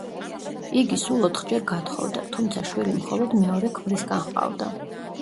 იგი სულ ოთხჯერ გათხოვდა, თუმცა შვილი მხოლოდ მეორე ქმრისგან ჰყავდა.